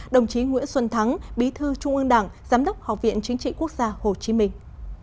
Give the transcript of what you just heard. đồng chí nguyễn xuân thắng bí thư trung ương đảng giám đốc học viện chính trị quốc gia hồ chí minh